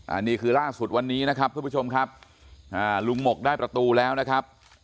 อันนี้คือล่าสุดวันนี้นะครับทุกผู้ชมครับอ่าลุงหมกได้ประตูแล้วนะครับ